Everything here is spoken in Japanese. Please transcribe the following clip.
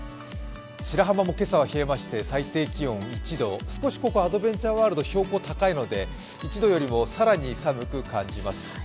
白浜も今朝は冷えまして最低気温１度、少しアドベンチャーワールドは標高が高いので、１度よりも更に寒く感じます。